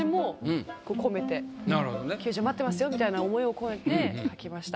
救助待ってますよみたいな思いを込めて書きました。